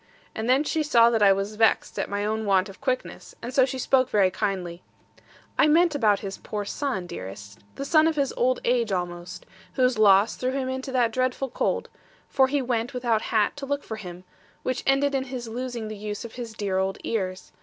And then she saw that I was vexed at my own want of quickness; and so she spoke very kindly, 'I meant about his poor son, dearest; the son of his old age almost; whose loss threw him into that dreadful cold for he went, without hat, to look for him which ended in his losing the use of his dear old ears.